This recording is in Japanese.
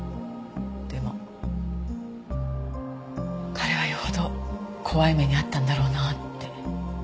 でも彼はよほど怖い目に遭ったんだろうなあって。